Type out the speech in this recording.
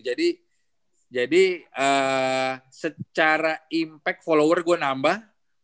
jadi secara impact follower gue nambah